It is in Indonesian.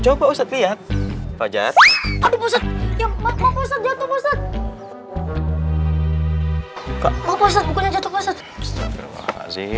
coba usah lihat wajah